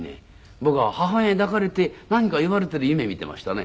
僕は母親に抱かれて何か言われている夢見ていましたね。